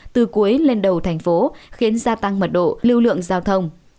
từ cuối lên đầu thành phố khiến gia tăng mật độ lưu lượng giao thông